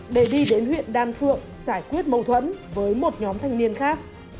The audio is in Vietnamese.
để đi đến huyện đan phượng giải quyết mâu thuẫn với một nhóm thanh niên khác